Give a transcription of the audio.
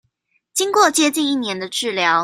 經過接近一年的治療